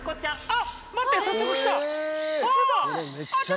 あっ！